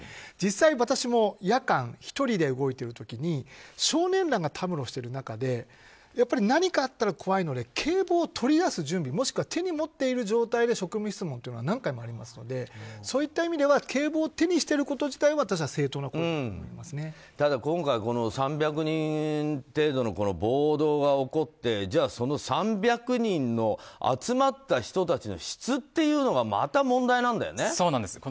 実際、私も夜間１人で動いている時に少年らがたむろしている中で何かあったら怖いので警棒を取り出す準備もしくは手に持っている状態で職務質問は何回もやりますのでそういった意味では警棒を手にしていること自体はただ、今回は３００人程度の暴動が起こってじゃあその３００人の集まった人たちの質っていうのがまた問題なんだよね。